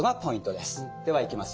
ではいきます。